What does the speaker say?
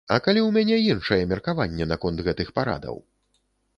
А калі ў мяне іншае меркаванне наконт гэтых парадаў?